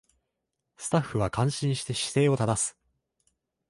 スタッフは感心して姿勢を正す